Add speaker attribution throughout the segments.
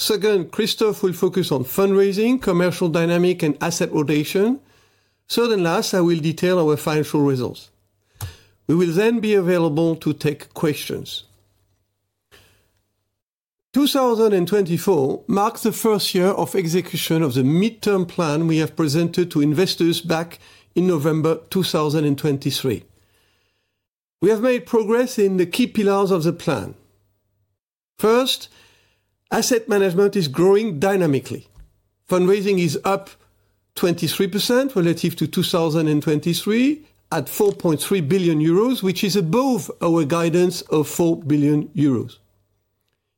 Speaker 1: So again, Christophe will focus on fundraising, commercial dynamic, and asset rotation. So then last, I will detail our financial results. We will then be available to take questions. 2024 marks the first year of execution of the midterm plan we have presented to investors back in November 2023. We have made progress in the key pillars of the plan. First, asset management is growing dynamically. Fundraising is up 23% relative to 2023 at 4.3 billion euros, which is above our guidance of 4 billion euros.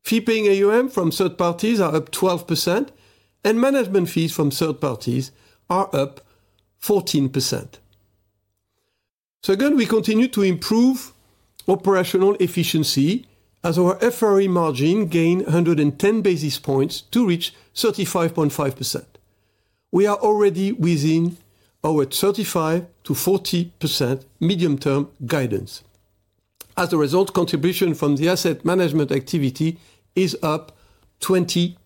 Speaker 1: Fee-paying AUM from third parties are up 12%, and management fees from third parties are up 14%. So again, we continue to improve operational efficiency as our FRE margin gained 110 basis points to reach 35.5%. We are already within our 35%-40% medium-term guidance. As a result, contribution from the asset management activity is up 20%.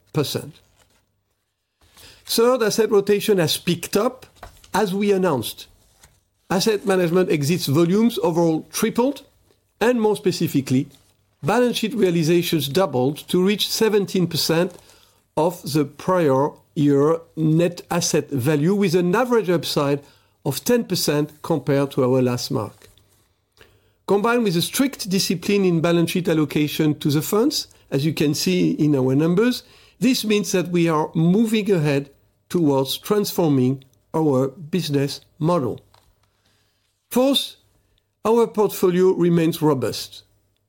Speaker 1: Third, asset rotation has picked up as we announced. Asset management exits volumes overall tripled, and more specifically, balance sheet realizations doubled to reach 17% of the prior year net asset value with an average upside of 10% compared to our last mark. Combined with a strict discipline in balance sheet allocation to the funds, as you can see in our numbers, this means that we are moving ahead towards transforming our business model. Fourth, our portfolio remains robust.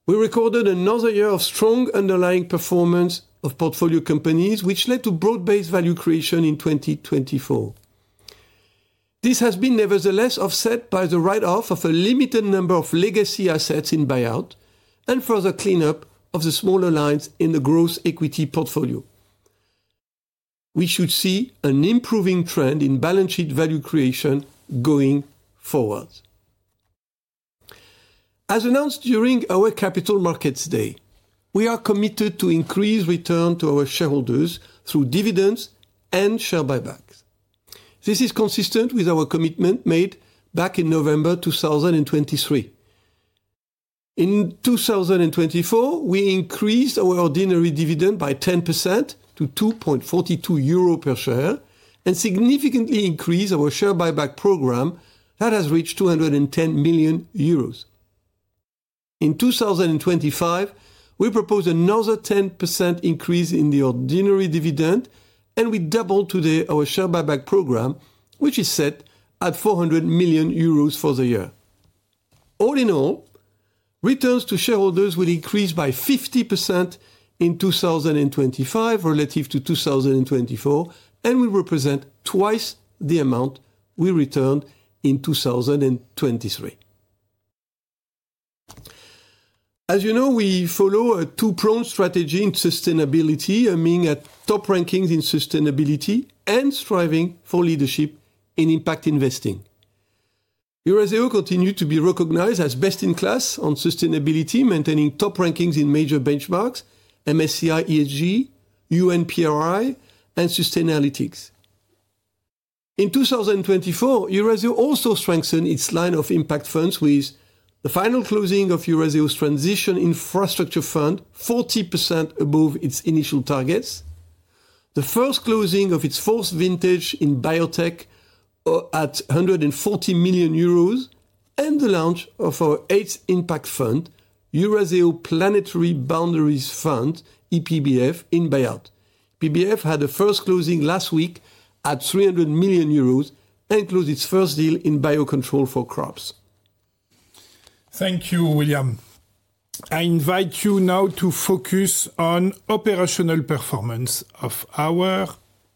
Speaker 1: We recorded another year of strong underlying performance of portfolio companies, which led to broad-based value creation in 2024. This has been nevertheless offset by the write-off of a limited number of legacy assets in buyout and further cleanup of the smaller lines in the Growth equity portfolio. We should see an improving trend in balance sheet value creation going forward. As announced during our Capital Markets Day, we are committed to increase return to our shareholders through dividends and share buybacks. This is consistent with our commitment made back in November 2023. In 2024, we increased our ordinary dividend by 10% to 2.42 euro per share and significantly increased our share buyback program that has reached 210 million euros. In 2025, we propose another 10% increase in the ordinary dividend, and we doubled today our share buyback program, which is set at 400 million euros for the year. All in all, returns to shareholders will increase by 50% in 2025 relative to 2024, and will represent twice the amount we returned in 2023. As you know, we follow a two-pronged strategy in sustainability, aiming at top rankings in sustainability and striving for leadership in impact investing. Eurazeo continues to be recognized as best in class on sustainability, maintaining top rankings in major benchmarks: MSCI ESG, UN PRI, and Sustainalytics. In 2024, Eurazeo also strengthened its line of impact funds with the final closing of Eurazeo's transition infrastructure fund, 40% above its initial targets, the first closing of its fourth vintage in biotech at 140 million euros, and the launch of our eighth impact fund, Eurazeo Planetary Boundaries Fund (EPBF), in buyout. EPBF had a first closing last week at 300 million euros and closed its first deal in biocontrol for crops.
Speaker 2: Thank you, William. I invite you now to focus on operational performance of our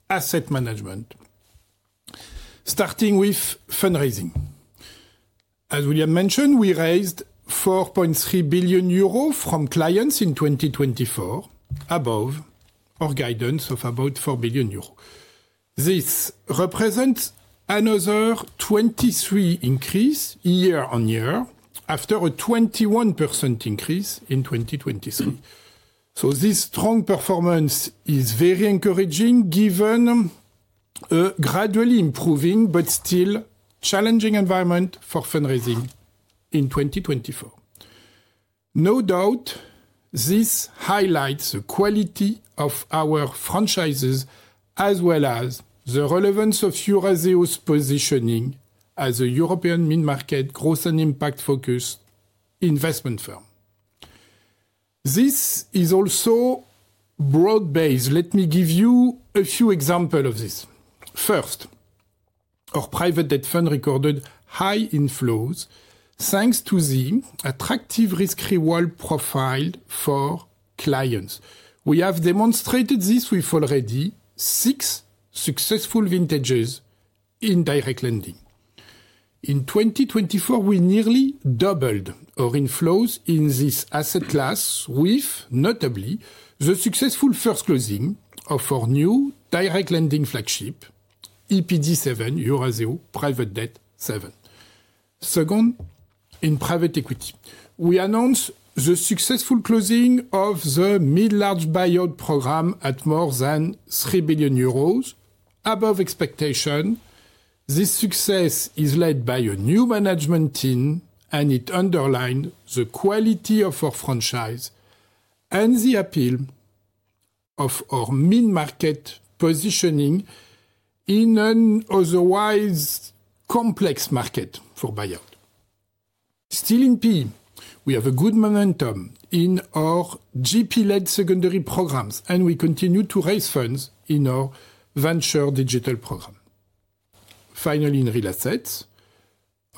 Speaker 2: asset management, starting with fundraising. As William mentioned, we raised 4.3 billion euros from clients in 2024, above our guidance of about 4 billion euros. This represents another 23% increase year-on-year after a 21% increase in 2023. So this strong performance is very encouraging given a gradually improving but still challenging environment for fundraising in 2024. No doubt, this highlights the quality of our franchises as well as the relevance of Eurazeo's positioning as a European mid-market growth and impact-focused investment firm. This is also broad-based. Let me give you a few examples of this. First, our private debt fund recorded high inflows thanks to the attractive risk-reward profile for clients. We have demonstrated this with already six successful vintages in direct lending. In 2024, we nearly doubled our inflows in this asset class with, notably, the successful first closing of our new direct lending flagship, EPD7, Eurazeo Private Debt 7. Second, in private equity, we announced the successful closing of the mid-large buyout program at more than 3 billion euros, above expectation. This success is led by a new management team, and it underlined the quality of our franchise and the appeal of our mid-market positioning in an otherwise complex market for buyout. Still in PE, we have a good momentum in our GP-led secondary programs, and we continue to raise funds in our venture digital program. Finally, in real assets,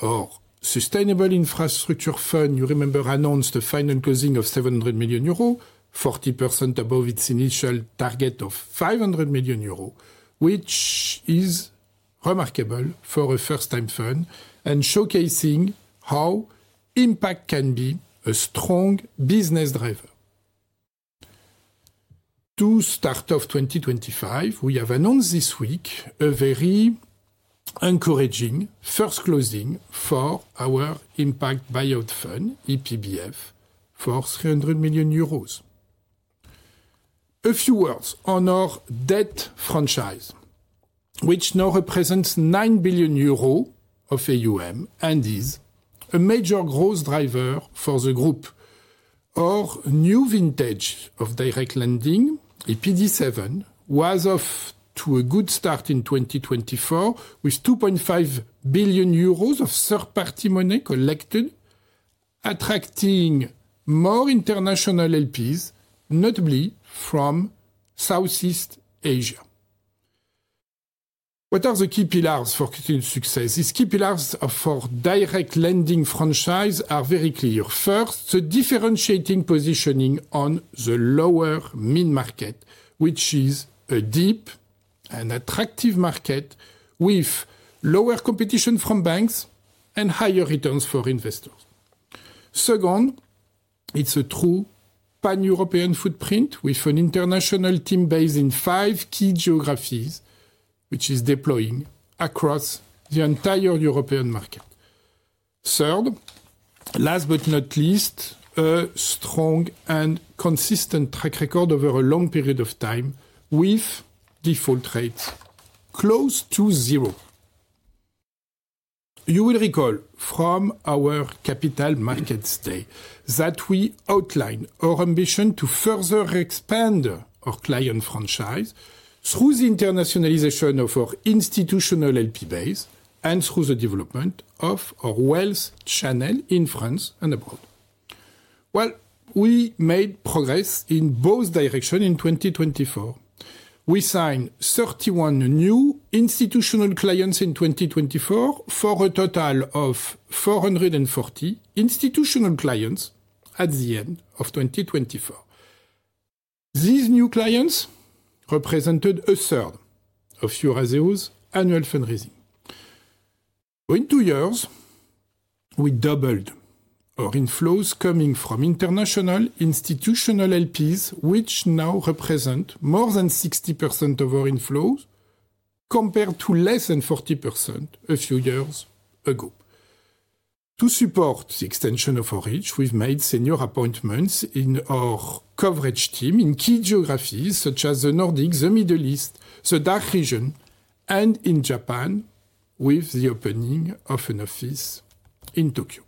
Speaker 2: our sustainable infrastructure fund, you remember, announced a final closing of 700 million euro, 40% above its initial target of 500 million euro, which is remarkable for a first-time fund and showcasing how impact can be a strong business driver. To start off 2025, we have announced this week a very encouraging first closing for our impact buyout fund, EPBF, for 300 million euros. A few words on our debt franchise, which now represents 9 billion euro of AUM and is a major growth driver for the group. Our new vintage of direct lending, EPD7, was off to a good start in 2024 with 2.5 billion euros of third-party money collected, attracting more international LPs, notably from Southeast Asia. What are the key pillars for success? These key pillars for direct lending franchise are very clear. First, the differentiating positioning on the lower mid-market, which is a deep and attractive market with lower competition from banks and higher returns for investors. Second, it's a true pan-European footprint with an international team based in five key geographies, which is deploying across the entire European market. Third, last but not least, a strong and consistent track record over a long period of time with default rates close to zero. You will recall from our Capital Markets Day that we outlined our ambition to further expand our client franchise through the internationalization of our institutional LP base and through the development of our wealth channel in France and abroad. We made progress in both directions in 2024. We signed 31 new institutional clients in 2024 for a total of 440 institutional clients at the end of 2024. These new clients represented a third of Eurazeo's annual fundraising. In two years, we doubled our inflows coming from international institutional LPs, which now represent more than 60% of our inflows compared to less than 40% a few years ago. To support the extension of our reach, we've made senior appointments in our coverage team in key geographies such as the Nordics, the Middle East, the DACH region, and in Japan with the opening of an office in Tokyo.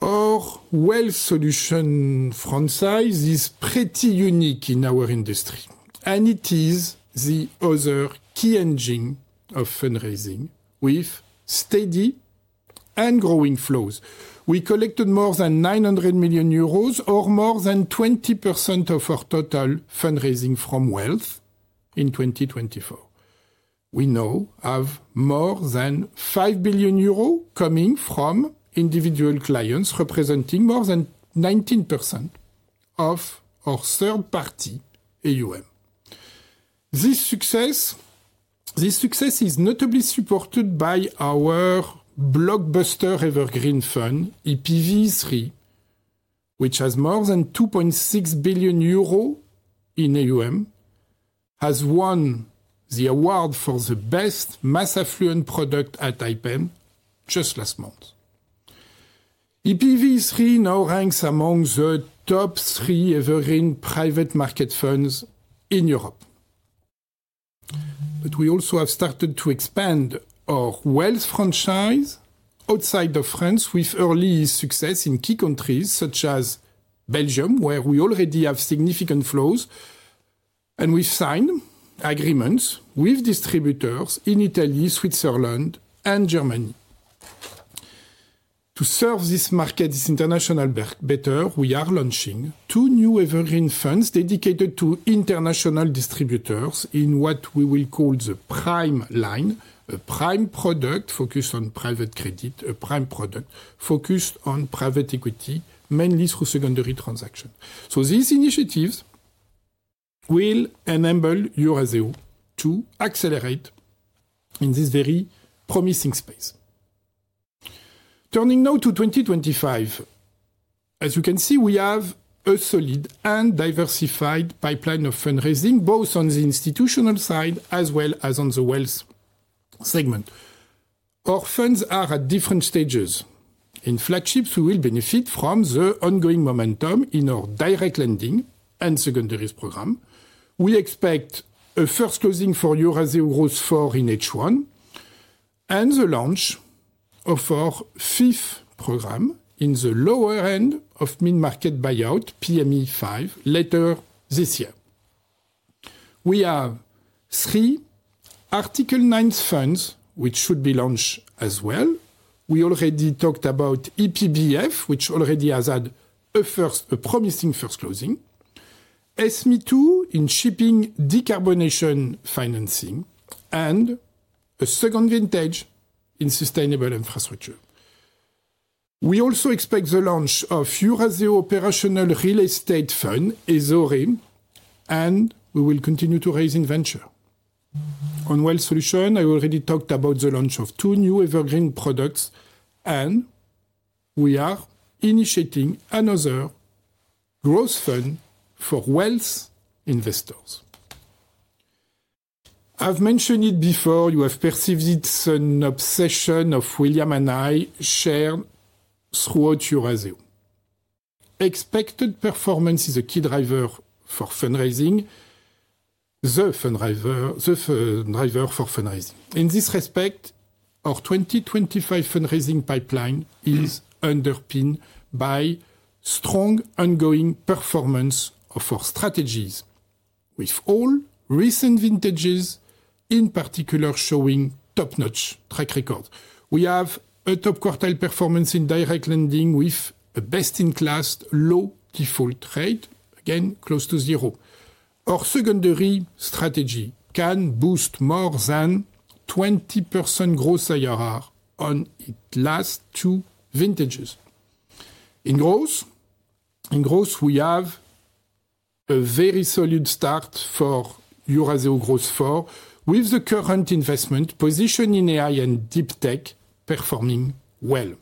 Speaker 2: Our wealth solution franchise is pretty unique in our industry, and it is the other key engine of fundraising with steady and growing flows. We collected more than 900 million euros or more than 20% of our total fundraising from wealth in 2024. We now have more than 5 billion euros coming from individual clients representing more than 19% of our third-party AUM. This success is notably supported by our blockbuster evergreen fund, EPV3, which has more than 2.6 billion euro in AUM, has won the award for the best mass affluent product at IPEM just last month. EPV3 now ranks among the top three evergreen private market funds in Europe, but we also have started to expand our wealth franchise outside of France with early success in key countries such as Belgium, where we already have significant flows, and we've signed agreements with distributors in Italy, Switzerland, and Germany. To serve this market's international better, we are launching two new evergreen funds dedicated to international distributors in what we will call the prime line, a prime product focused on private credit, a prime product focused on private equity, mainly through secondary transactions. So these initiatives will enable Eurazeo to accelerate in this very promising space. Turning now to 2025, as you can see, we have a solid and diversified pipeline of fundraising both on the institutional side as well as on the wealth segment. Our funds are at different stages. In flagships, we will benefit from the ongoing momentum in our direct lending and secondaries program. We expect a first closing for Eurazeo Growth 4 in H1 and the launch of our fifth program in the lower end of mid-market buyout, PME 5, later this year. We have three Article 9 funds which should be launched as well. We already talked about EPBF, which already has had a promising first closing, SMI 2 in shipping decarbonization financing, and a second vintage in sustainable infrastructure. We also expect the launch of Eurazeo Operational Real Estate Fund, EZORE, and we will continue to raise in venture. On wealth solution, I already talked about the launch of two new evergreen products, and we are initiating another growth fund for wealth investors. I've mentioned it before. You have perceived it's an obsession of William and I shared throughout Eurazeo. Expected performance is a key driver for fundraising, the fund driver for fundraising. In this respect, our 2025 fundraising pipeline is underpinned by strong ongoing performance of our strategies, with all recent vintages in particular showing top-notch track record. We have a top quartile performance in direct lending with a best-in-class low default rate, again close to zero. Our secondary strategy can boost more than 20% Gross IRR on its last two vintages. In growth, we have a very solid start for Eurazeo Growth 4 with the current investment position in AI and deep tech performing well.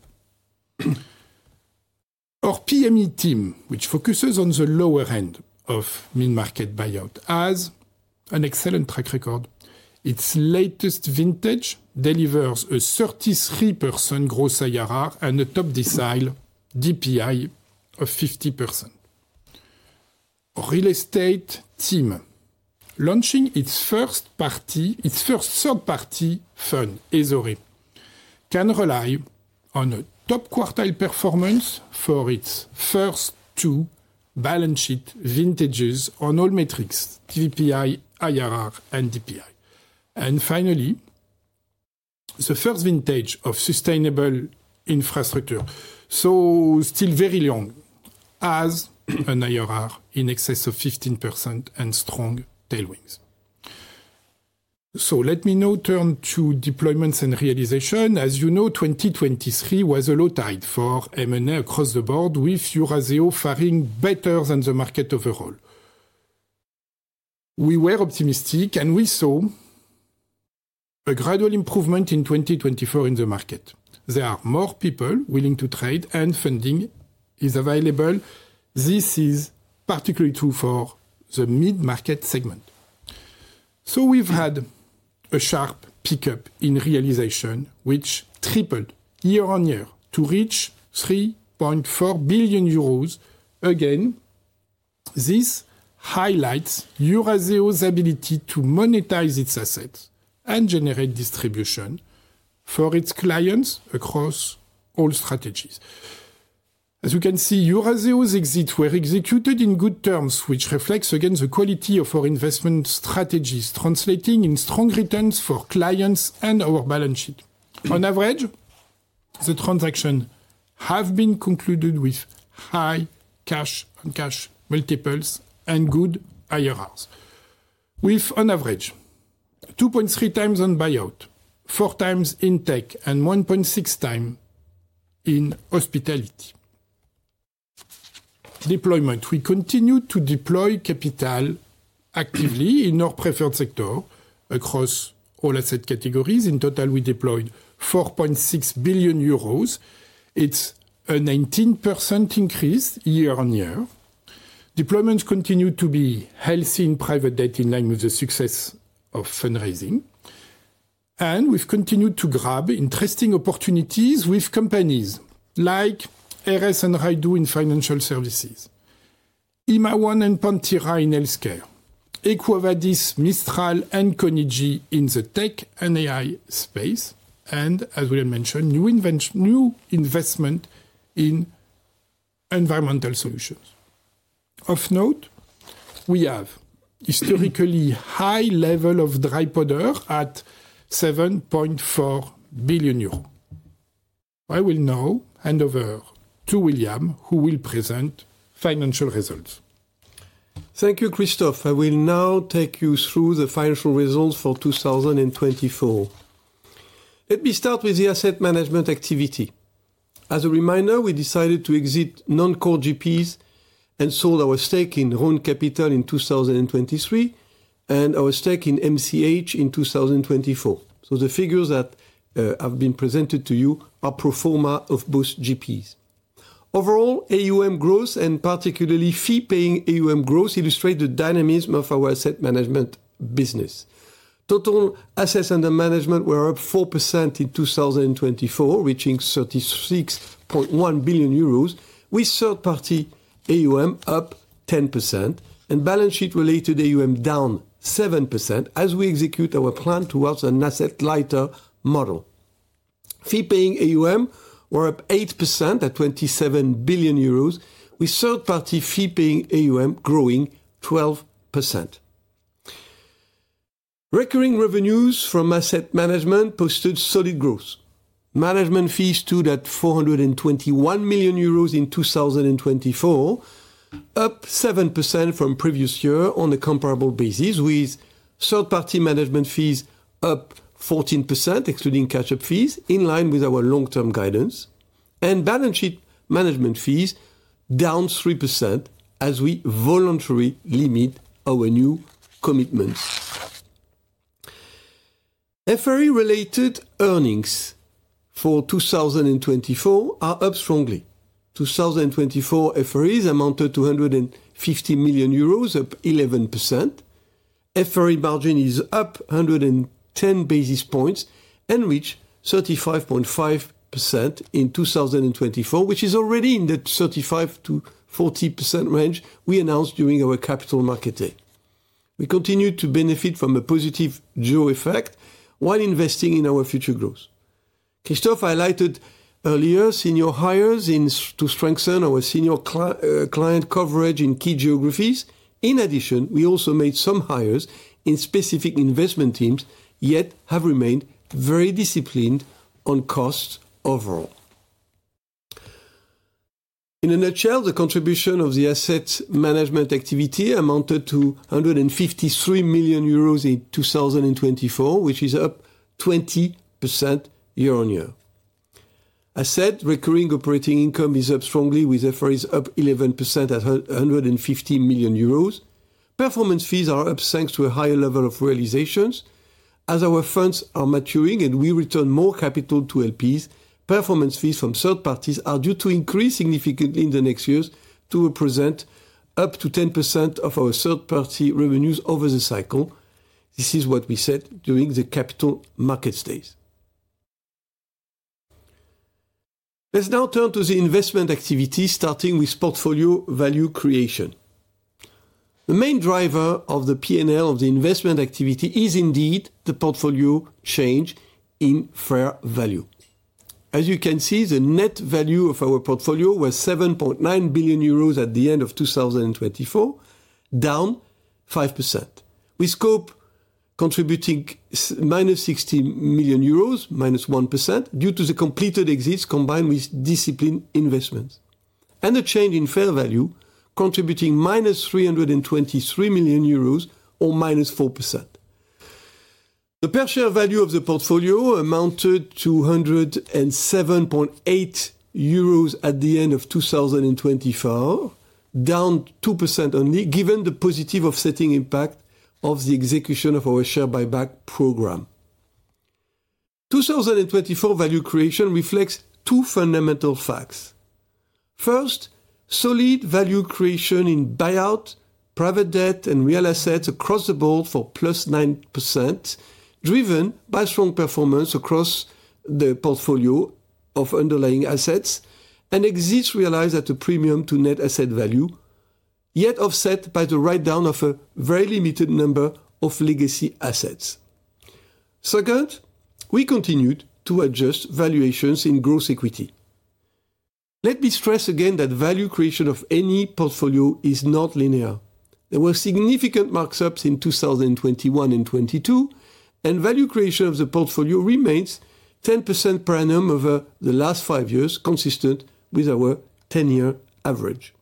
Speaker 2: Our PME team, which focuses on the lower end of mid-market buyout, has an excellent track record. Its latest vintage delivers a 33% Gross IRR and a top decile DPI of 50%. Real estate team, launching its first third-party fund, EZORE, can rely on a top quartile performance for its first two balance sheet vintages on all metrics: DPI, IRR, and DPI. And finally, the first vintage of sustainable infrastructure, so still very long, has an IRR in excess of 15% and strong tailwinds. So let me now turn to deployments and realization. As you know, 2023 was a low tide for M&A across the board, with Eurazeo faring better than the market overall. We were optimistic, and we saw a gradual improvement in 2024 in the market. There are more people willing to trade, and funding is available. This is particularly true for the mid-market segment. So we've had a sharp pickup in realization, which tripled year-on-year to reach 3.4 billion euros. Again, this highlights Eurazeo's ability to monetize its assets and generate distribution for its clients across all strategies. As you can see, Eurazeo's exits were executed in good terms, which reflects, again, the quality of our investment strategies, translating in strong returns for clients and our balance sheet. On average, the transactions have been concluded with high cash-on-cash multiples and good IRRs, with, on average, 2.3 times on buyout, 4 times in tech, and 1.6 times in hospitality. Deployment, we continue to deploy capital actively in our preferred sector across all asset categories. In total, we deployed 4.6 billion euros. It's a 19% increase year-on-year. Deployments continue to be healthy in private debt in line with the success of fundraising. And we've continued to grab interesting opportunities with companies like Eres and Rydoo in financial services, EMA-1 and Panthera in healthcare, EcoVadis, Mistral, and Cognigy in the tech and AI space, and, as William mentioned, new investment in environmental solutions. Of note, we have a historically high level of dry powder at 7.4 billion euros. I will now hand over to William, who will present financial results.
Speaker 1: Thank you, Christophe. I will now take you through the financial results for 2024. Let me start with the asset management activity. As a reminder, we decided to exit non-core GPs and sold our stake in Rhône Capital in 2023 and our stake in MCH in 2024, so the figures that have been presented to you are pro forma of both GPs. Overall, AUM growth and particularly fee-paying AUM growth illustrate the dynamism of our asset management business. Total assets under management were up 4% in 2024, reaching 36.1 billion euros, with third-party AUM up 10% and balance sheet-related AUM down 7% as we execute our plan towards an asset-lighter model. Fee-paying AUM were up 8% at 27 billion euros, with third-party fee-paying AUM growing 12%. Recurring revenues from asset management posted solid growth. Management fees stood at 421 million euros in 2024, up 7% from previous year on a comparable basis, with third-party management fees up 14%, excluding catch-up fees, in line with our long-term guidance. Balance sheet management fees down 3% as we voluntarily limit our new commitments. FRE-related earnings for 2024 are up strongly. 2024 FREs amounted to 150 million euros, up 11%. FRE margin is up 110 basis points and reached 35.5% in 2024, which is already in the 35%-40% range we announced during our Capital Markets Day. We continue to benefit from a positive jaws effect while investing in our future growth. Christophe highlighted earlier senior hires to strengthen our senior client coverage in key geographies. In addition, we also made some hires in specific investment teams yet have remained very disciplined on costs overall. In a nutshell, the contribution of the asset management activity amounted to 153 million euros in 2024, which is up 20% year-on-year. Asset recurring operating income is up strongly, with FREs up 11% at 150 million euros. Performance fees are up thanks to a higher level of realizations. As our funds are maturing and we return more capital to LPs, performance fees from third parties are due to increase significantly in the next years to represent up to 10% of our third-party revenues over the cycle. This is what we said during the capital market days. Let's now turn to the investment activity, starting with portfolio value creation. The main driver of the P&L of the investment activity is indeed the portfolio change in fair value. As you can see, the net value of our portfolio was 7.9 billion euros at the end of 2024, down 5%. Exits contributing 60 million euros minus 1% due to the completed exits combined with disciplined investments, and the change in fair value contributing 323 million euros or minus 4%. The per-share value of the portfolio amounted to 107.8 euros at the end of 2024, down 2% only, given the positive offsetting impact of the execution of our share buyback program. 2024 value creation reflects two fundamental facts. First, solid value creation in buyout, private debt, and real assets across the board for +9%, driven by strong performance across the portfolio of underlying assets and exits realized at a premium to net asset value, yet offset by the write-down of a very limited number of legacy assets. Second, we continued to adjust valuations in gross equity. Let me stress again that value creation of any portfolio is not linear. There were significant markups in 2021 and 2022, and value creation of the portfolio remains 10% per annum over the last five years, consistent with our 10-year average.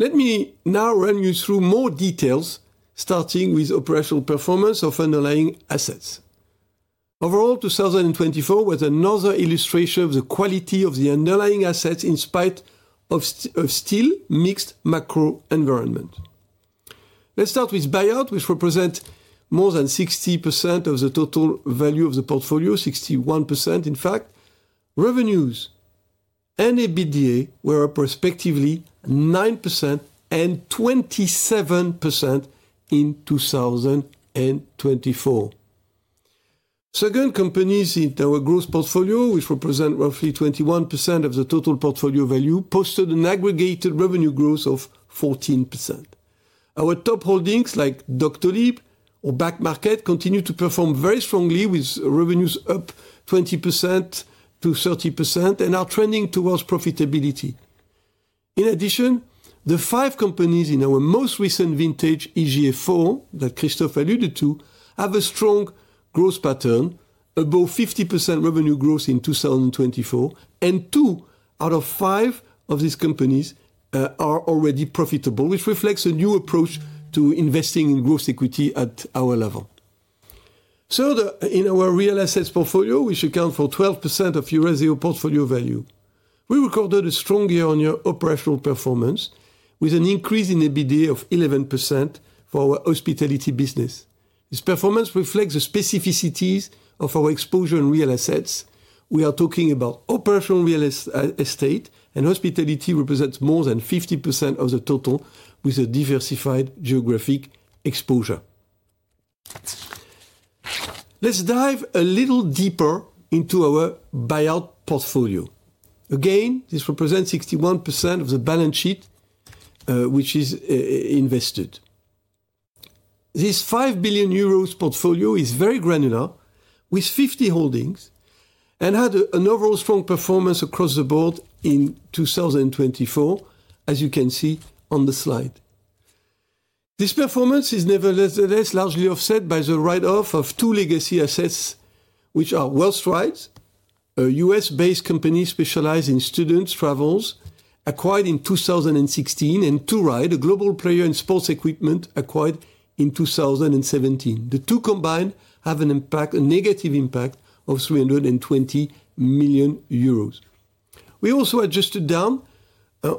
Speaker 1: Let me now run you through more details, starting with operational performance of underlying assets. Overall, 2024 was another illustration of the quality of the underlying assets in spite of still mixed macro environment. Let's start with buyout, which represents more than 60% of the total value of the portfolio, 61% in fact. Revenues and EBITDA were up respectively 9% and 27% in 2024. Second, companies in our Growth portfolio, which represent roughly 21% of the total portfolio value, posted an aggregated revenue growth of 14%. Our top holdings like Doctolib or Back Market continue to perform very strongly, with revenues up 20%-30% and are trending towards profitability. In addition, the five companies in our most recent vintage, EG4, that Christophe alluded to, have a strong growth pattern, above 50% revenue growth in 2024, and two out of five of these companies are already profitable, which reflects a new approach to investing in gross equity at our level. Third, in our real assets portfolio, which accounts for 12% of Eurazeo portfolio value, we recorded a strong year-on-year operational performance with an increase in EBITDA of 11% for our hospitality business. This performance reflects the specificities of our exposure in real assets. We are talking about operational real estate, and hospitality represents more than 50% of the total with a diversified geographic exposure. Let's dive a little deeper into our buyout portfolio. Again, this represents 61% of the balance sheet which is invested. This 5 billion euros portfolio is very granular with 50 holdings and had an overall strong performance across the board in 2024, as you can see on the slide. This performance is nevertheless largely offset by the write-off of two legacy assets, which are WorldStrides, a U.S.-based company specialized in student travels acquired in 2016, and 2Ride Group, a global player in sports equipment acquired in 2017. The two combined have an impact, a negative impact of 320 million euros. We also adjusted down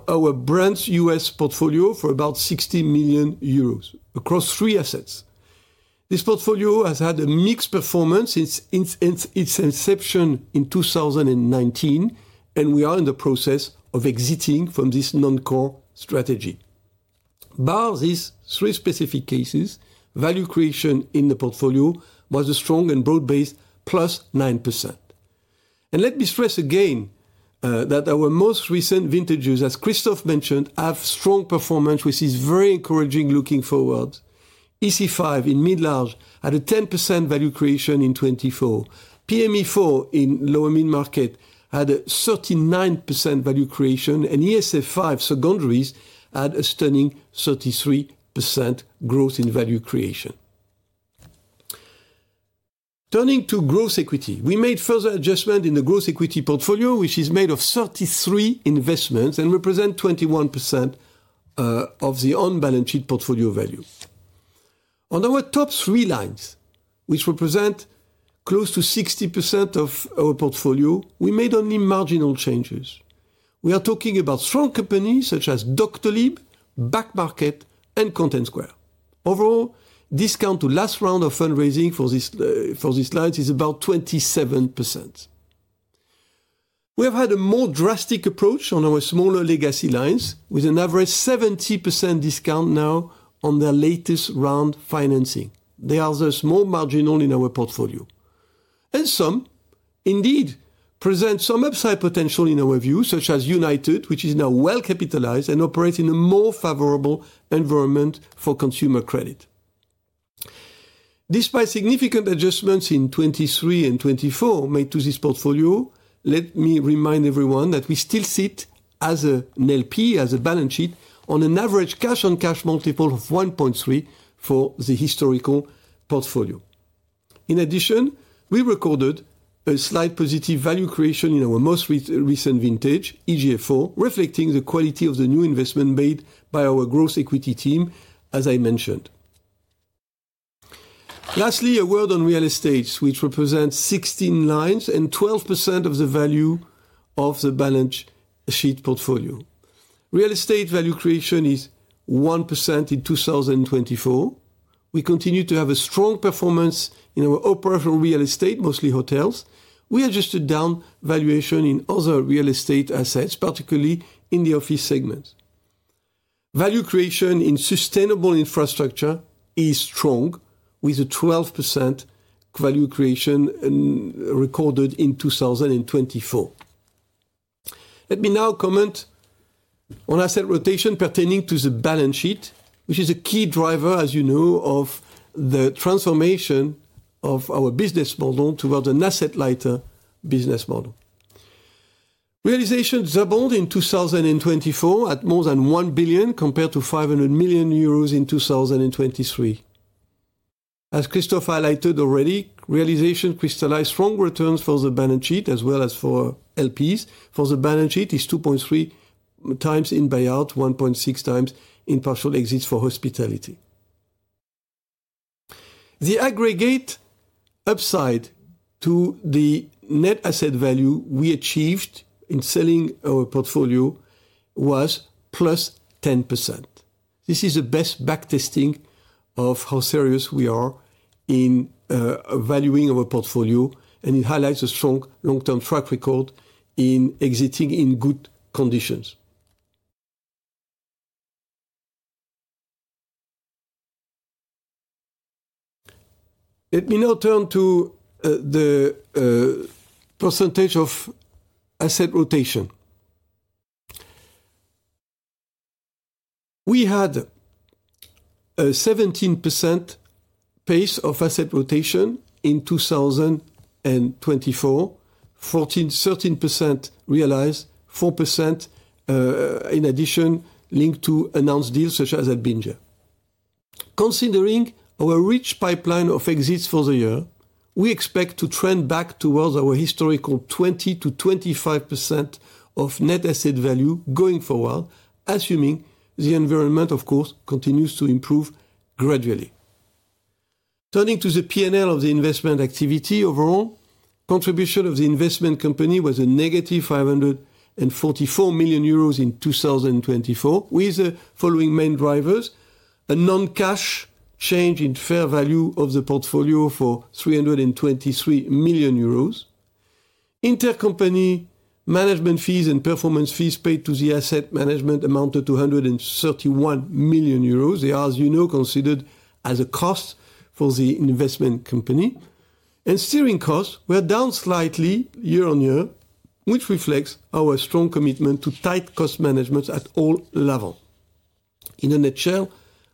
Speaker 1: our Brands' U.S. portfolio for about 60 million euros across three assets. This portfolio has had a mixed performance since its inception in 2019, and we are in the process of exiting from this non-core strategy. Barring these three specific cases, value creation in the portfolio was a strong and broad-based 9%. Let me stress again that our most recent vintages, as Christophe mentioned, have strong performance, which is very encouraging looking forward. EC5 in mid-large had a 10% value creation in 2024. PME4 in lower mid-market had a 39% value creation, and ESF 5 secondaries had a stunning 33% growth in value creation. Turning to Growth Equity, we made further adjustments in the gross equity portfolio, which is made of 33 investments and represents 21% of the on-balance sheet portfolio value. On our top three lines, which represent close to 60% of our portfolio, we made only marginal changes. We are talking about strong companies such as Doctolib, Back Market, and ContentSquare. Overall, discount to last round of fundraising for these lines is about 27%. We have had a more drastic approach on our smaller legacy lines, with an average 70% discount now on their latest round financing. They are thus more marginal in our portfolio. And some indeed present some upside potential in our view, such as Younited, which is now well capitalized and operates in a more favorable environment for consumer credit. Despite significant adjustments in 2023 and 2024 made to this portfolio, let me remind everyone that we still sit as an LP, as a balance sheet, on an average cash-on-cash multiple of 1.3 for the historical portfolio. In addition, we recorded a slight positive value creation in our most recent vintage, EG4, reflecting the quality of the new investment made by our Growth Equity team, as I mentioned. Lastly, a word on real estate, which represents 16 lines and 12% of the value of the balance sheet portfolio. Real estate value creation is 1% in 2024. We continue to have a strong performance in our operational real estate, mostly hotels. We adjusted down valuation in other real estate assets, particularly in the office segment. Value creation in sustainable infrastructure is strong, with a 12% value creation recorded in 2024. Let me now comment on asset rotation pertaining to the balance sheet, which is a key driver, as you know, of the transformation of our business model towards an asset-lighter business model. Realization doubled in 2024 at more than 1 billion compared to 500 million euros in 2023. As Christophe highlighted already, realization crystallized strong returns for the balance sheet as well as for LPs. For the balance sheet, it is 2.3 times in buyout, 1.6 times in partial exits for hospitality. The aggregate upside to the net asset value we achieved in selling our portfolio was +10%. This is the best backtesting of how serious we are in valuing our portfolio, and it highlights a strong long-term track record in exiting in good conditions. Let me now turn to the percentage of asset rotation. We had a 17% pace of asset rotation in 2024, 13% realized, 4% in addition linked to announced deals such as Albingia. Considering our rich pipeline of exits for the year, we expect to trend back towards our historical 20%-25% of net asset value going forward, assuming the environment, of course, continues to improve gradually. Turning to the P&L of the investment activity overall, contribution of the investment company was a negative 544 million euros in 2024, with the following main drivers: a non-cash change in fair value of the portfolio for 323 million euros, intercompany management fees and performance fees paid to the asset management amounted to 231 million euros. They are, as you know, considered as a cost for the investment company. And steering costs were down slightly year-on-year, which reflects our strong commitment to tight cost management at all levels. In a nutshell,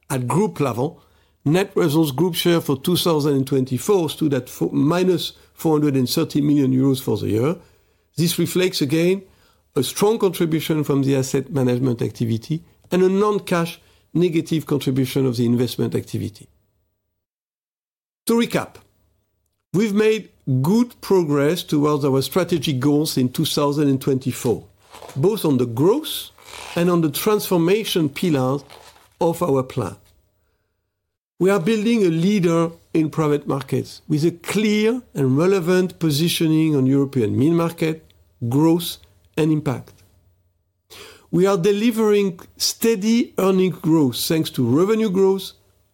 Speaker 1: at group level, net results group share for 2024 stood at minus 430 million euros for the year. This reflects again a strong contribution from the asset management activity and a non-cash negative contribution of the investment activity. To recap, we've made good progress towards our strategic goals in 2024, both on the growth and on the transformation pillars of our plan. We are building a leader in private markets with a clear and relevant positioning on European mid-market growth and impact. We are delivering steady earnings growth thanks to revenue growth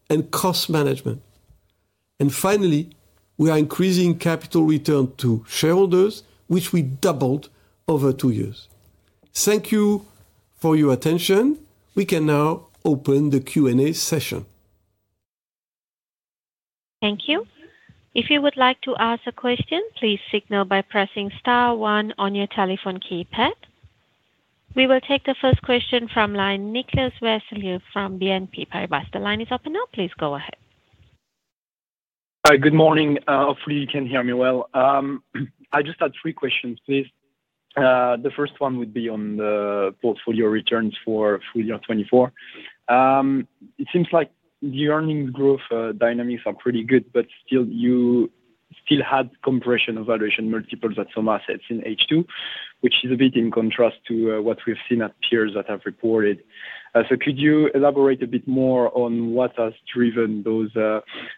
Speaker 1: and cost management. And finally, we are increasing capital return to shareholders, which we doubled over two years. Thank you for your attention. We can now open the Q&A session.
Speaker 3: Thank you. If you would like to ask a question, please signal by pressing star one on your telephone keypad. We will take the first question from line Nicolas Weslij from BNP Paribas. The line is open now. Please go ahead.
Speaker 4: Hi, good morning. Hopefully, you can hear me well. I just had three questions, please. The first one would be on the portfolio returns for full year 2024. It seems like the earnings growth dynamics are pretty good, but still, you still had compression of valuation multiples at some assets in H2, which is a bit in contrast to what we've seen at peers that have reported. So could you elaborate a bit more on what has driven those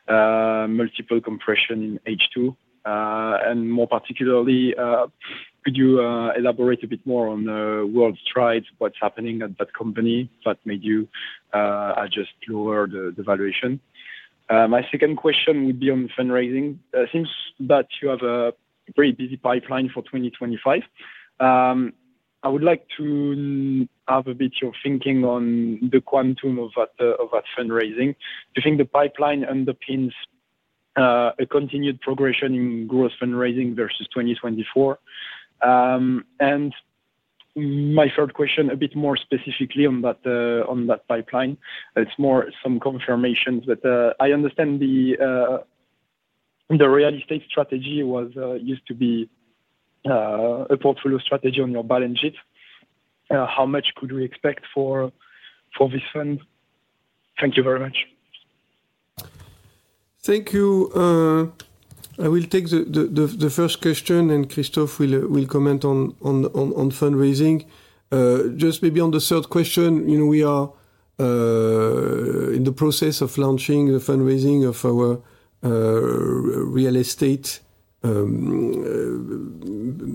Speaker 4: multiple compression in H2? More particularly, could you elaborate a bit more on WorldStrides, what's happening at that company that made you adjust lower the valuation? My second question would be on fundraising. It seems that you have a very busy pipeline for 2025. I would like to have a bit of your thinking on the quantum of that fundraising. Do you think the pipeline underpins a continued progression in gross fundraising versus 2024? And my third question, a bit more specifically on that pipeline, it's more some confirmations, but I understand the real estate strategy used to be a portfolio strategy on your balance sheet. How much could we expect for this fund? Thank you very much.
Speaker 1: Thank you. I will take the first question, and Christophe will comment on fundraising. Just maybe on the third question, we are in the process of launching the fundraising of our real estate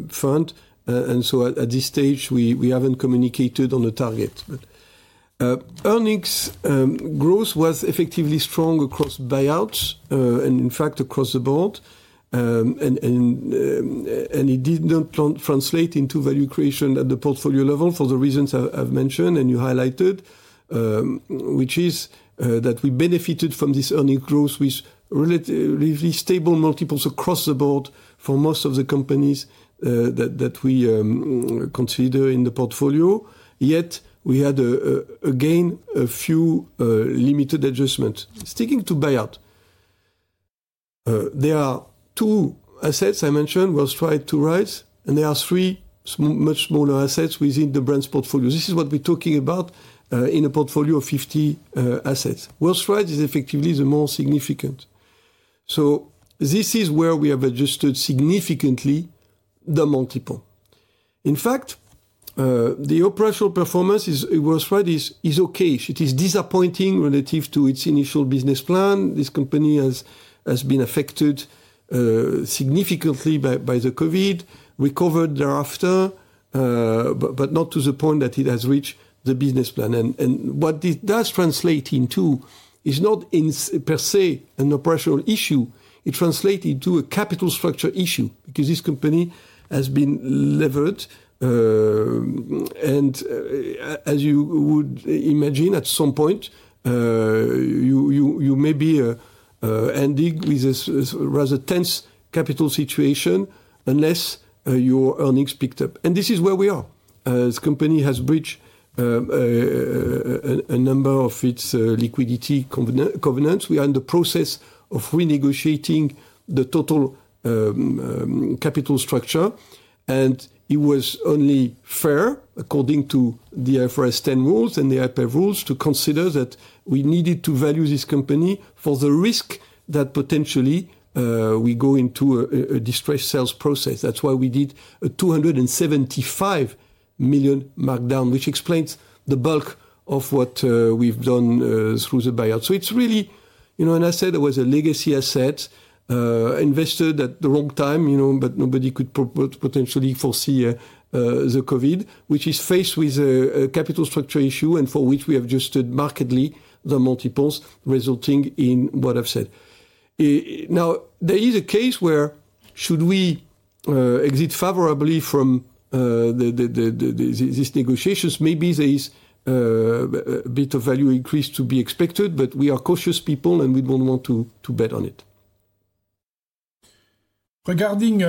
Speaker 1: fund. And so at this stage, we haven't communicated on the target. Earnings growth was effectively strong across buyouts and, in fact, across the board. And it did not translate into value creation at the portfolio level for the reasons I've mentioned and you highlighted, which is that we benefited from this earnings growth with relatively stable multiples across the board for most of the companies that we consider in the portfolio. Yet we had, again, a few limited adjustments. Sticking to buyout, there are two assets I mentioned, WorldStrides, 2Ride, and there are three much smaller assets within the Brands portfolio. This is what we're talking about in a portfolio of 50 assets. WorldStrides is effectively the most significant. So this is where we have adjusted significantly the multiple. In fact, the operational performance of WorldStrides is okay. It is disappointing relative to its initial business plan. This company has been affected significantly by the COVID. We recovered thereafter, but not to the point that it has reached the business plan, and what this does translate into is not per se an operational issue. It translates into a capital structure issue because this company has been levered, and as you would imagine, at some point, you may be ending with a rather tense capital situation unless your earnings picked up, and this is where we are. This company has breached a number of its liquidity covenants. We are in the process of renegotiating the total capital structure, and it was only fair, according to the IFRS 10 rules and the IPEV rules, to consider that we needed to value this company for the risk that potentially we go into a distressed sales process. That's why we did a 275 million markdown, which explains the bulk of what we've done through the buyout. So it's really an asset that was a legacy asset invested at the wrong time, but nobody could potentially foresee the COVID, which is faced with a capital structure issue and for which we have adjusted markedly the multiples, resulting in what I've said. Now, there is a case where should we exit favorably from these negotiations, maybe there is a bit of value increase to be expected, but we are cautious people and we don't want to bet on it.
Speaker 2: Regarding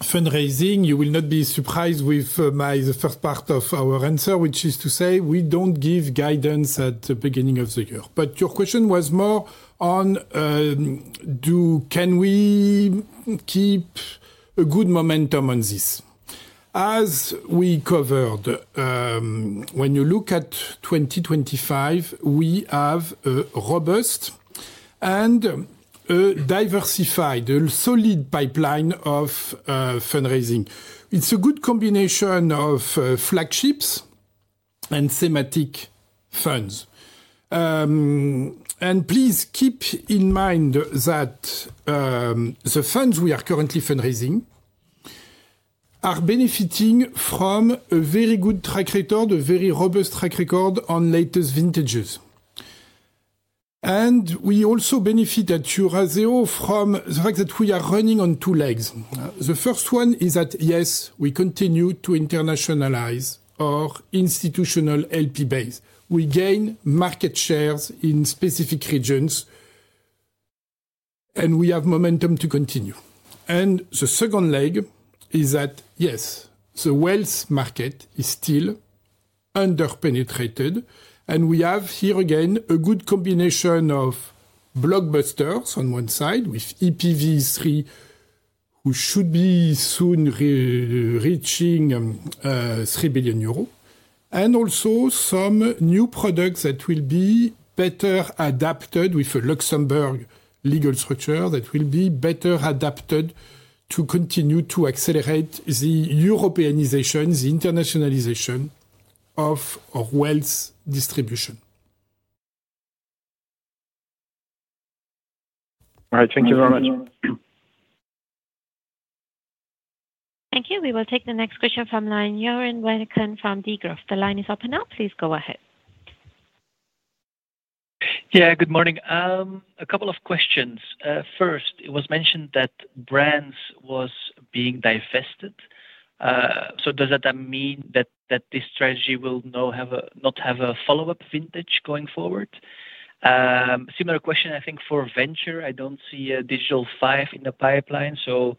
Speaker 2: fundraising, you will not be surprised with my first part of our answer, which is to say we don't give guidance at the beginning of the year. But your question was more on, can we keep a good momentum on this? As we covered, when you look at 2025, we have a robust and a diversified, solid pipeline of fundraising. It's a good combination of flagships and thematic funds. Please keep in mind that the funds we are currently fundraising are benefiting from a very good track record, a very robust track record on latest vintages, and we also benefit at Eurazeo from the fact that we are running on two legs. The first one is that, yes, we continue to internationalize our institutional LP base. We gain market shares in specific regions, and we have momentum to continue. The second leg is that, yes, the wealth market is still under-penetrated. And we have here again a good combination of blockbusters on one side with EPV3, who should be soon reaching 3 billion euros, and also some new products that will be better adapted with a Luxembourg legal structure that will be better adapted to continue to accelerate the Europeanization, the internationalization of wealth distribution.
Speaker 4: All right. Thank you very much.
Speaker 3: Thank you. We will take the next question from line Joren Van Aken from Degroof Petercam. The line is open now. Please go ahead.
Speaker 5: Yeah, good morning. A couple of questions. First, it was mentioned that brands were being divested. So does that mean that this strategy will not have a follow-up vintage going forward? Similar question, I think, for venture. I don't see a digital five in the pipeline. So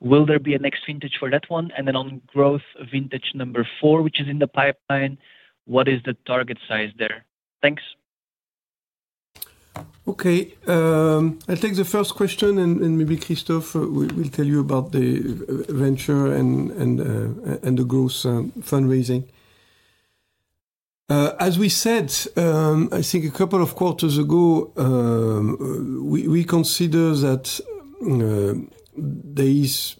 Speaker 5: will there be a next vintage for that one? And then on growth, vintage number four, which is in the pipeline, what is the target size there? Thanks.
Speaker 1: Okay. I'll take the first question, and maybe Christophe will tell you about the venture and the growth fundraising. As we said, I think a couple of quarters ago, we consider that there is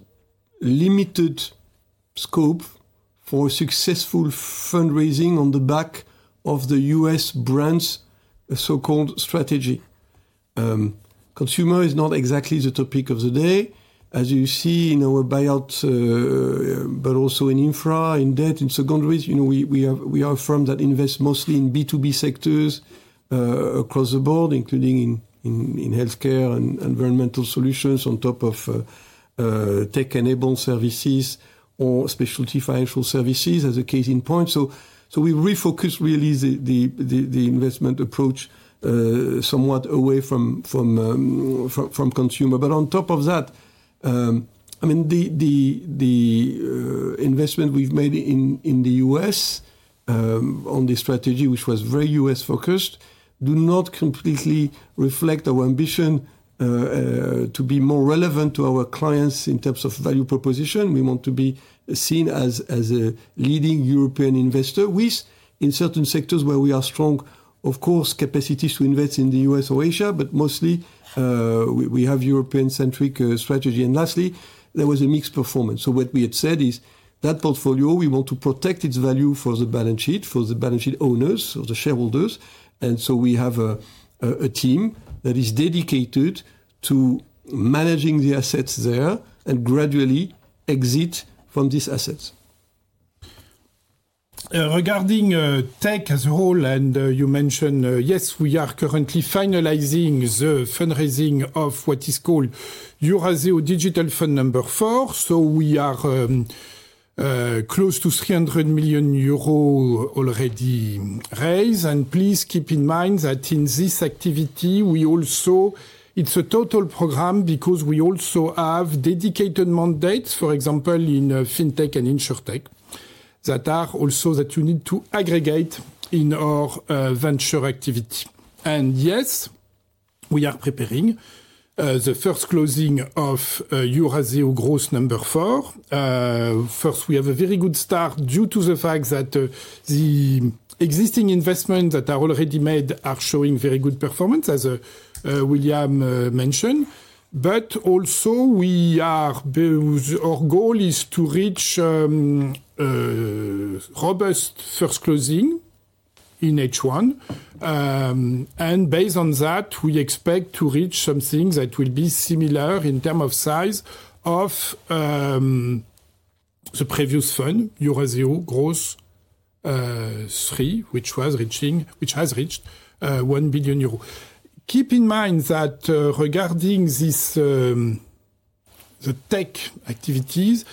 Speaker 1: limited scope for successful fundraising on the back of the U.S. Brands so-called strategy. Consumer is not exactly the topic of the day. As you see in our buyouts, but also in infra, in debt, in secondaries, we are a firm that invests mostly in B2B sectors across the board, including in healthcare and environmental solutions on top of tech-enabled services or specialty financial services, as the case in point. So we refocus really the investment approach somewhat away from consumer. But on top of that, I mean, the investment we've made in the U.S. on the strategy, which was very U.S.-focused, do not completely reflect our ambition to be more relevant to our clients in terms of value proposition. We want to be seen as a leading European investor, with, in certain sectors where we are strong, of course, capacities to invest in the U.S. or Asia, but mostly we have a European-centric strategy. And lastly, there was a mixed performance. So what we had said is that portfolio, we want to protect its value for the balance sheet, for the balance sheet owners, for the shareholders. And so we have a team that is dedicated to managing the assets there and gradually exit from these assets.
Speaker 2: Regarding tech as a whole, and you mentioned, yes, we are currently finalizing the fundraising of what is called Eurazeo Digital Fund number four. So we are close to 300 million euros already raised. And please keep in mind that in this activity, we also, it's a total program because we also have dedicated mandates, for example, in fintech and insurtech. That are also that you need to aggregate in our venture activity. And yes, we are preparing the first closing of Eurazeo Growth number four. First, we have a very good start due to the fact that the existing investments that are already made are showing very good performance, as William mentioned. But also, our goal is to reach a robust first closing in H1. Based on that, we expect to reach something that will be similar in terms of size of the previous fund, Eurazeo Growth 3, which has reached 1 billion euro. Keep in mind that regarding the tech activities,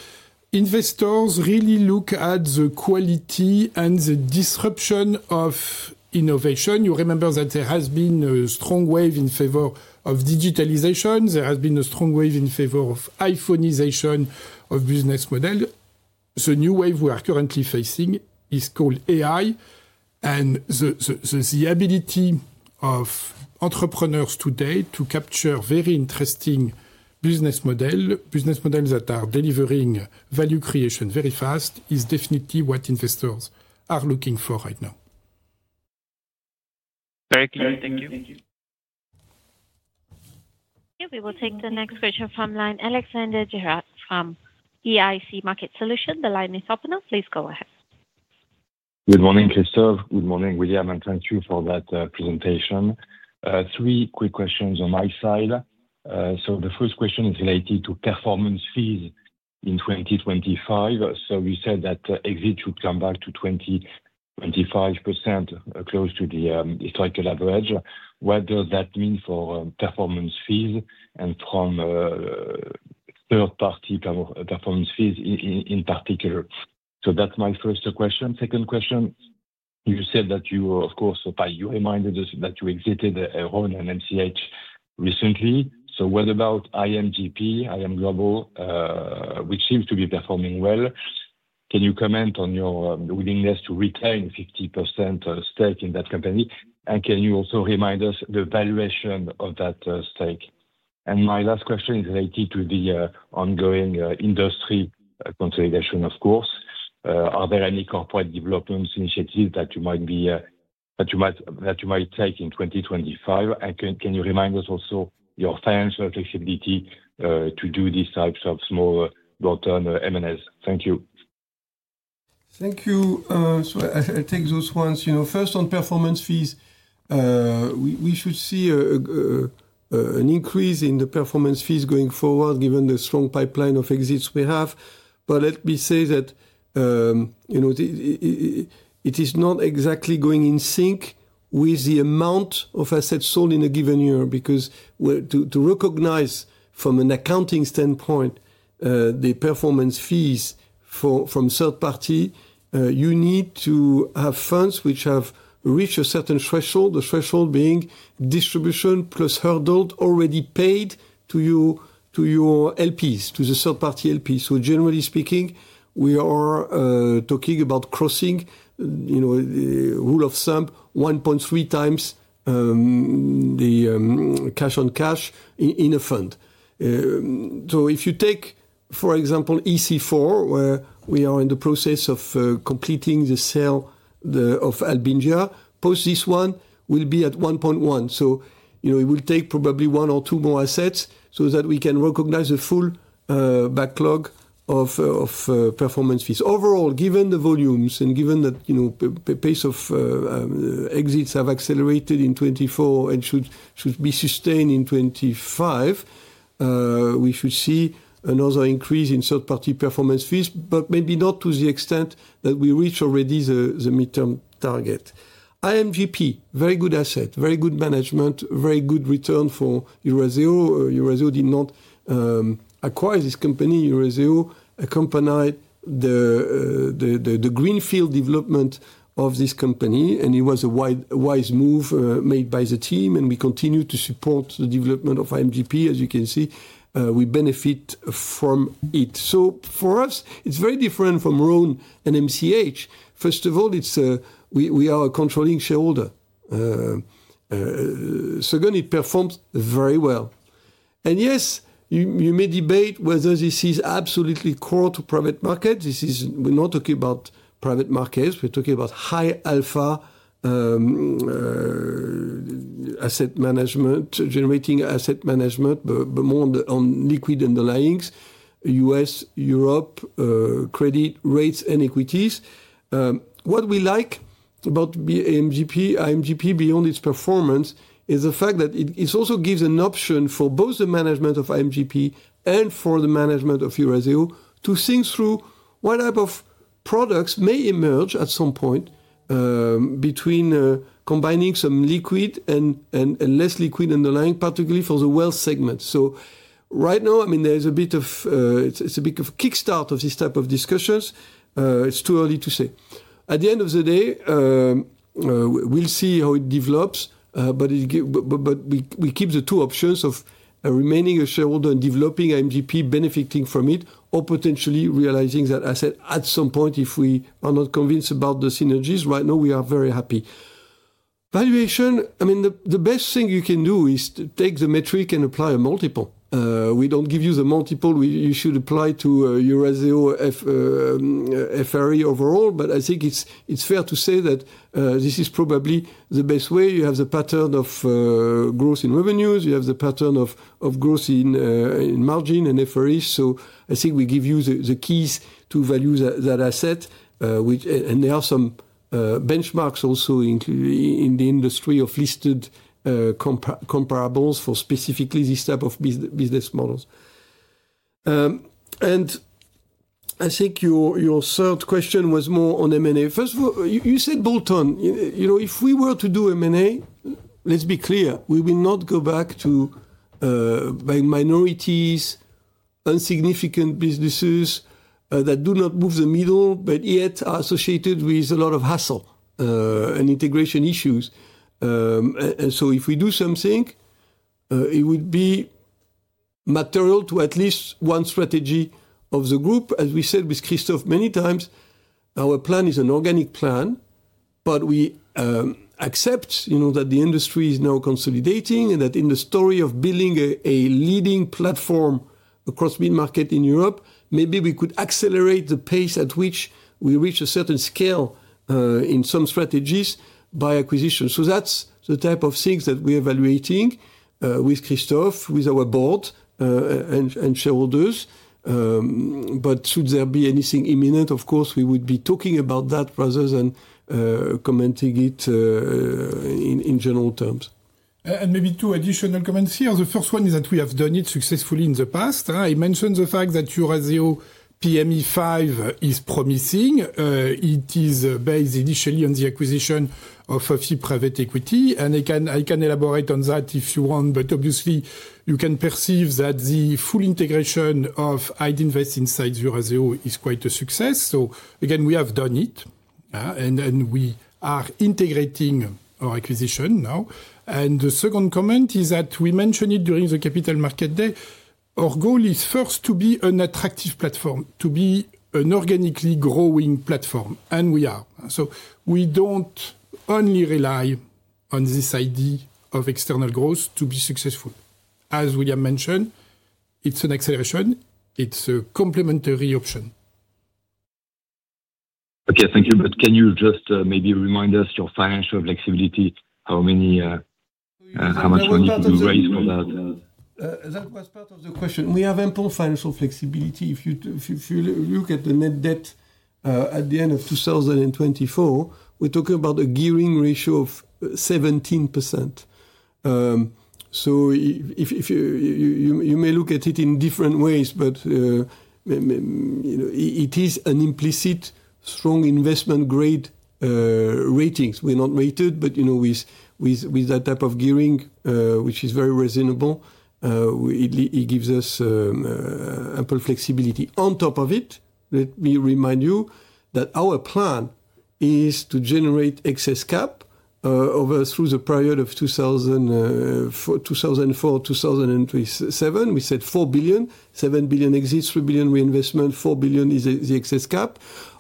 Speaker 2: investors really look at the quality and the disruption of innovation. You remember that there has been a strong wave in favor of digitalization. There has been a strong wave in favor of iPhonization of business models. The new wave we are currently facing is called AI. And the ability of entrepreneurs today to capture very interesting business models, business models that are delivering value creation very fast, is definitely what investors are looking for right now.
Speaker 5: Thank you. Thank you.
Speaker 3: Thank you. We will take the next question from line Alexandre Gérard from CIC Market Solutions. The line is open. Please go ahead.
Speaker 6: Good morning, Christophe. Good morning, William.Thank you for that presentation. Three quick questions on my side. The first question is related to performance fees in 2025. You said that exit should come back to 25%, close to the historical average. What does that mean for performance fees and from third-party performance fees in particular? That's my first question. Second question, you said that you, of course, by your reminder that you exited Rhône and MCH recently. What about IMGP, iM Global, which seems to be performing well? Can you comment on your willingness to retain a 50% stake in that company? And can you also remind us the valuation of that stake? My last question is related to the ongoing industry consolidation, of course. Are there any corporate development initiatives that you might take in 2025? And can you remind us also your financial flexibility to do these types of small bolt-on M&A? Thank you.
Speaker 1: Thank you. So I'll take those ones. First, on performance fees, we should see an increase in the performance fees going forward, given the strong pipeline of exits we have. But let me say that it is not exactly going in sync with the amount of assets sold in a given year. Because to recognize from an accounting standpoint, the performance fees from third-party, you need to have funds which have reached a certain threshold, the threshold being distribution plus hurdles already paid to your LPs, to the third-party LPs. So generally speaking, we are talking about crossing the rule of thumb, 1.3 times the cash-on-cash in a fund. So if you take, for example, EC4, where we are in the process of completing the sale of Albingia, post this one will be at 1.1. So it will take probably one or two more assets so that we can recognize the full backlog of performance fees. Overall, given the volumes and given that pace of exits have accelerated in 2024 and should be sustained in 2025, we should see another increase in third-party performance fees, but maybe not to the extent that we reach already the midterm target. IMGP, very good asset, very good management, very good return for Eurazeo. Eurazeo did not acquire this company. Eurazeo accompanied the greenfield development of this company, and it was a wise move made by the team. And we continue to support the development of IMGP. As you can see, we benefit from it. So for us, it's very different from Rhône and MCH. First of all, we are a controlling shareholder. Second, it performs very well. And yes, you may debate whether this is absolutely core to private markets. We're not talking about private markets. We're talking about high alpha asset management, generating asset management, but more on liquid underlyings, U.S., Europe, credit rates, and equities. What we like about IMGP, beyond its performance, is the fact that it also gives an option for both the management of IMGP and for the management of Eurazeo to think through what type of products may emerge at some point between combining some liquid and less liquid underlying, particularly for the wealth segment. So right now, I mean, there's a bit of a kickstart of this type of discussions. It's too early to say. At the end of the day, we'll see how it develops, but we keep the two options of remaining a shareholder and developing IMGP, benefiting from it, or potentially realizing that asset at some point if we are not convinced about the synergies. Right now, we are very happy. Valuation, I mean, the best thing you can do is take the metric and apply a multiple. We don't give you the multiple. You should apply to Eurazeo FRE overall. But I think it's fair to say that this is probably the best way. You have the pattern of growth in revenues. You have the pattern of growth in margin and FRE, so I think we give you the keys to value that asset, and there are some benchmarks also in the industry of listed comparables for specifically this type of business models. And I think your third question was more on M&A. First of all, you said bolt-on. If we were to do M&A, let's be clear. We will not go back to minorities, insignificant businesses that do not move the needle, but yet are associated with a lot of hassle and integration issues. And so if we do something, it would be material to at least one strategy of the group. As we said with Christophe many times, our plan is an organic plan, but we accept that the industry is now consolidating and that in the story of building a leading platform across mid-market in Europe, maybe we could accelerate the pace at which we reach a certain scale in some strategies by acquisition. So that's the type of things that we're evaluating with Christophe, with our board and shareholders. But should there be anything imminent, of course, we would be talking about that rather than commenting it in general terms.
Speaker 2: And maybe two additional comments here. The first one is that we have done it successfully in the past. I mentioned the fact that Eurazeo PME 5 is promising. It is based initially on the acquisition of OFI Private Equity. And I can elaborate on that if you want. But obviously, you can perceive that the full integration of Idinvest into Eurazeo is quite a success. So again, we have done it. And we are integrating our acquisition now. And the second comment is that we mentioned it during the Capital Markets Day. Our goal is first to be an attractive platform, to be an organically growing platform. And we are. So we don't only rely on this idea of external growth to be successful. As William mentioned, it's an acceleration. It's a complementary option.
Speaker 6: Okay, thank you. But can you just maybe remind us your financial flexibility, how much money can you raise for that?
Speaker 1: That was part of the question. We have ample financial flexibility. If you look at the net debt at the end of 2024, we're talking about a gearing ratio of 17%. So you may look at it in different ways, but it is an implicit strong investment grade ratings. We're not rated, but with that type of gearing, which is very reasonable, it gives us ample flexibility. On top of it, let me remind you that our plan is to generate excess cash over the period from 2024 to 2027. We said 4-7 billion exits, 3 billion reinvestment, 4 billion is the excess cash,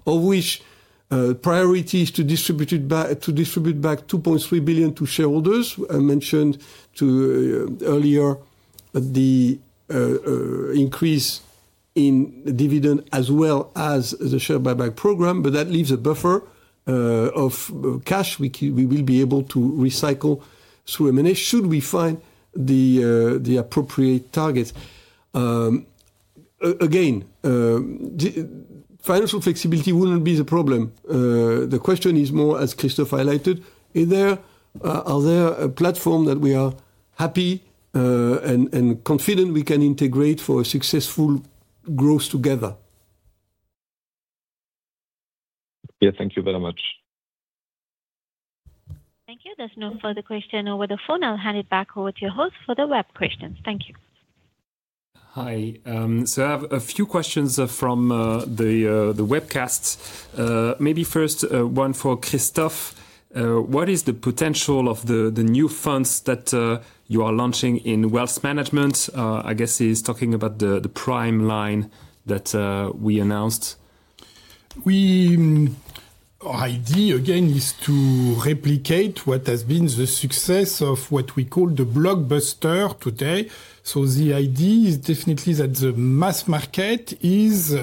Speaker 1: of which priority is to distribute back 2.3 billion to shareholders. I mentioned earlier the increase in dividend as well as the share buyback program, but that leaves a buffer of cash we will be able to recycle through M&A should we find the appropriate targets. Again, financial flexibility wouldn't be the problem. The question is more, as Christophe highlighted, are there platforms that we are happy and confident we can integrate for a successful growth together?
Speaker 6: Yeah, thank you very much.
Speaker 3: Thank you. There's no further question over the phone. I'll hand it back over to your host for the web questions. Thank you.
Speaker 7: Hi. So I have a few questions from the webcast. Maybe first, one for Christophe. What is the potential of the new funds that you are launching in wealth management? I guess he's talking about the prime line that we announced.
Speaker 2: Our idea, again, is to replicate what has been the success of what we call the blockbuster today, so the idea is definitely that the mass market is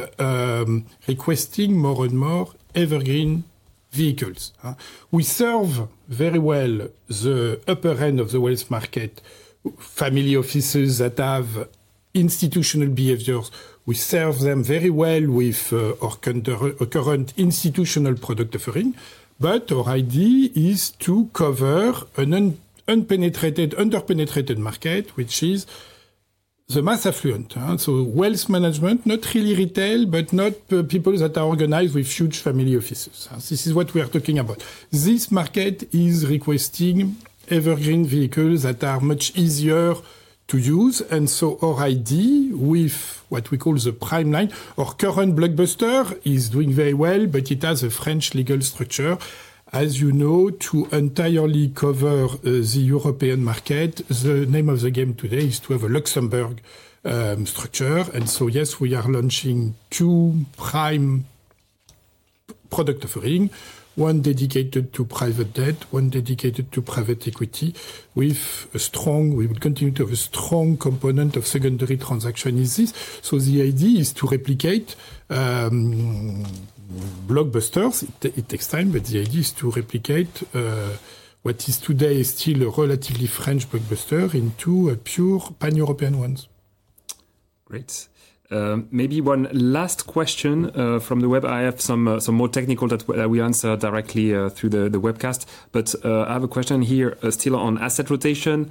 Speaker 2: requesting more and more evergreen vehicles. We serve very well the upper end of the wealth market, family offices that have institutional behaviors. We serve them very well with our current institutional product offering, but our idea is to cover an unpenetrated, underpenetrated market, which is the mass affluent, so wealth management, not really retail, but not people that are organized with huge family offices. This is what we are talking about. This market is requesting evergreen vehicles that are much easier to use, and so our idea with what we call the prime line, our current blockbuster is doing very well, but it has a French legal structure. As you know, to entirely cover the European market, the name of the game today is to have a Luxembourg structure. And so yes, we are launching two prime product offerings, one dedicated to private debt, one dedicated to private equity with a strong, we will continue to have a strong component of secondary transaction in this. So the idea is to replicate blockbusters. It takes time, but the idea is to replicate what is today still a relatively French blockbuster into pure pan-European ones.
Speaker 7: Great. Maybe one last question from the web. I have some more technical that we answer directly through the webcast. But I have a question here still on asset rotation.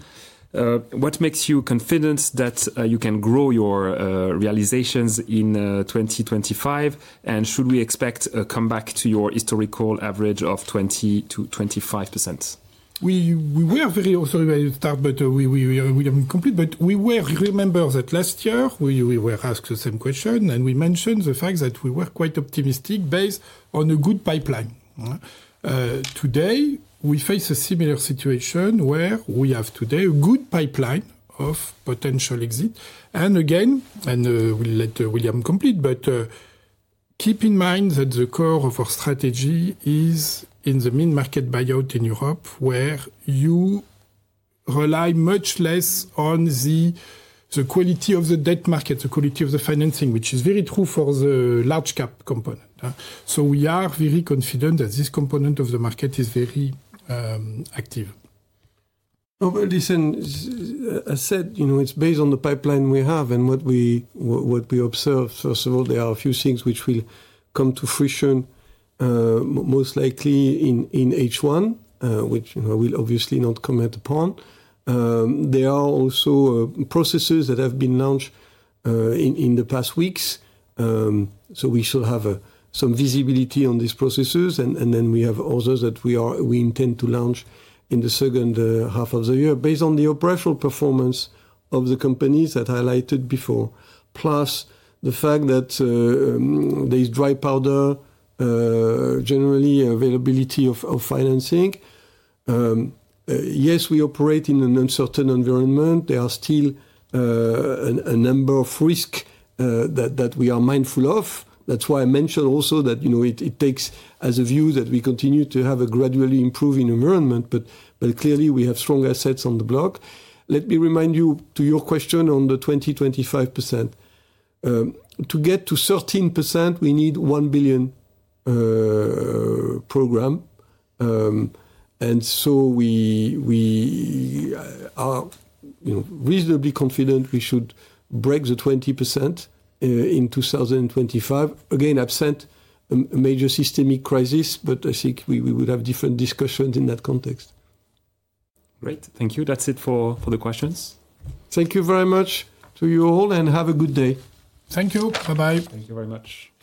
Speaker 7: What makes you confident that you can grow your realizations in 2025? And should we expect a comeback to your historical average of 20%-25%?
Speaker 2: We were very also ready to start, but we haven't completed, but we were remembered that last year, we were asked the same question, and we mentioned the fact that we were quite optimistic based on a good pipeline. Today, we face a similar situation where we have today a good pipeline of potential exit, and again, and we'll let William complete, but keep in mind that the core of our strategy is in the mid-market buyout in Europe, where you rely much less on the quality of the debt market, the quality of the financing, which is very true for the large cap component. So we are very confident that this component of the market is very active.
Speaker 1: Listen, I said it's based on the pipeline we have and what we observe. First of all, there are a few things which will come to fruition, most likely in H1, which we'll obviously not comment upon. There are also processes that have been launched in the past weeks. So we should have some visibility on these processes, and then we have others that we intend to launch in the second half of the year based on the operational performance of the companies that I highlighted before, plus the fact that there is dry powder, generally availability of financing. Yes, we operate in an uncertain environment. There are still a number of risks that we are mindful of. That's why I mentioned also that it takes as a view that we continue to have a gradually improving environment, but clearly we have strong assets on the block. Let me remind you to your question on the 20%, 25%. To get to 13%, we need 1 billion program. And so we are reasonably confident we should break the 20% in 2025. Again, absent a major systemic crisis, but I think we would have different discussions in that context.
Speaker 7: Great. Thank you. That's it for the questions.
Speaker 1: Thank you very much to you all and have a good day.
Speaker 2: Thank you. Bye-bye.
Speaker 7: Thank you very much.